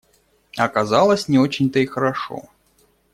Оказалось — не очень то и хорошо.